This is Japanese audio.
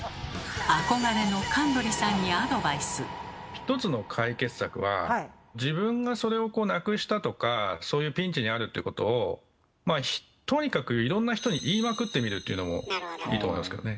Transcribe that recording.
一つの解決策は自分がそれをなくしたとかそういうピンチにあるっていうことをとにかくいろんな人に言いまくってみるというのもいいと思いますけどね。